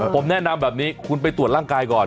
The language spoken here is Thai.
ผมแนะนำแบบนี้คุณไปตรวจร่างกายก่อน